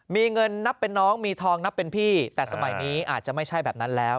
มีเงินนับเป็นน้องมีทองนับเป็นพี่แต่สมัยนี้อาจจะไม่ใช่แบบนั้นแล้ว